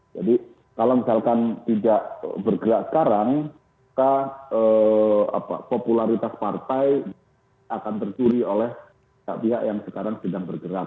jadi kalau misalkan tidak bergerak sekarang popularitas partai akan tercuri oleh pihak pihak yang sekarang sedang bergerak